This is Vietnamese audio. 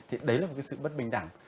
thì đấy là một cái sự bất bình đẳng